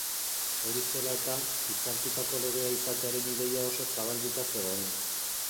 Hori zela eta, hitzartutako legea izatearen ideia oso zabalduta zegoen.